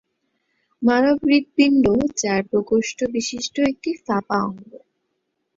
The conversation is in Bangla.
মানব হৃৎপিণ্ড চার প্রকোষ্ঠ বিশিষ্ট একটি ফাঁপা অঙ্গ।